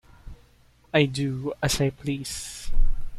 I do as I please.